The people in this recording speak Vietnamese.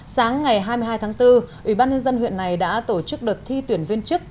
sáng ngày hai mươi hai tháng bốn ủy ban nhân dân huyện này đã tổ chức đợt thi tuyển viên chức